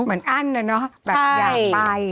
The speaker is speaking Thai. เหมือนอั้นอะเนอะแบบอยากไป